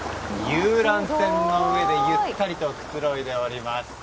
遊覧船の上でゆったりとくつろいでおります。